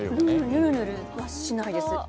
ぬるぬるしないです。